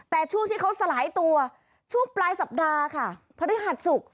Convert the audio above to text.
แต่ช่วงที่เขาสลายตัวช่วงปลายสัปดาห์ค่ะพฤหัสศุกร์